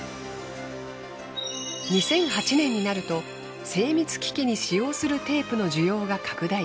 ２００８年になると精密機器に使用するテープの需要が拡大。